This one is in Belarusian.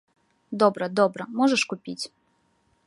Добра, добра, можаш купіць.